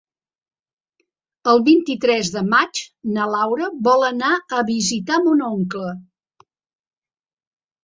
El vint-i-tres de maig na Laura vol anar a visitar mon oncle.